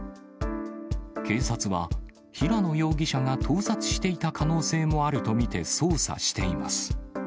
警察は、平野容疑者が盗撮していた可能性もあると見て、捜査しています。